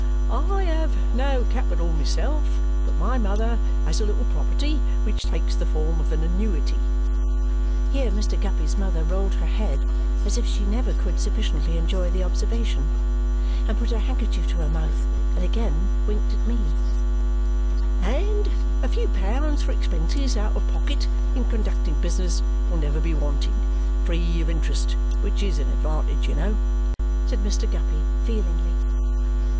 "I have no capital myself, but my mother has a little property which takes the form of an annuity" here Mr. Guppy's mother rolled her head as if she never could sufficiently enjoy the observation, and put her handkerchief to her mouth, and again winked at me "and a few pounds for expenses out of pocket in conducting business will never be wanting, free of interest, which is an advantage, you know," said Mr. Guppy feelingly.